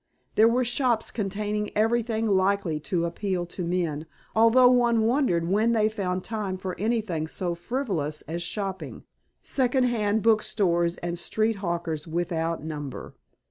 There were shops containing everything likely to appeal to men, although one wondered when they found time for anything so frivolous as shopping; second hand book stores, and street hawkers without number.